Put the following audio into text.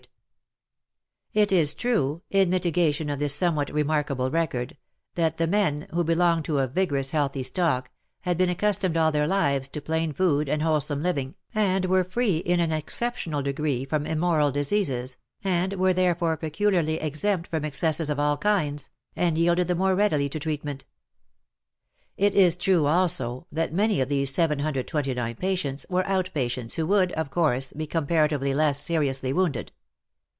l68 WAR AND WOMEN It is true — in mitigation of this somewhat remarkable record — that the men, who be longed to a vigorous healthy stock, had been accustomed all their lives to plain food and wholesome living and were free in an excep tional degree from immoral diseases, and were therefore peculiarly exempt from excesses of all kinds, and yielded the more readily to treatment. It is true also that many of these 729 patients were out patients who would, of course, be comparatively less seriously wounded.